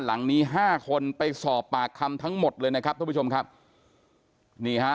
หลังนี้ห้าคนไปสอบปากคำทั้งหมดเลยนะครับทุกผู้ชมครับนี่ฮะ